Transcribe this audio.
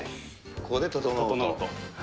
ここでととのうと。